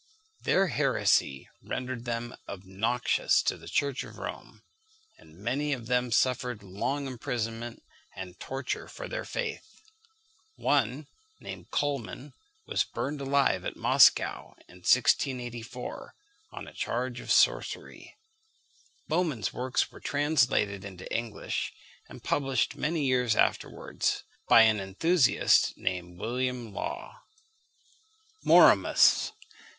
Their heresy rendered them obnoxious to the Church of Rome; and many of them suffered long imprisonment and torture for their faith. One, named Kuhlmann, was burned alive at Moscow, in 1684, on a charge of sorcery. Böhmen's works were translated into English, and published, many years afterwards, by an enthusiast named William Law. MORMIUS.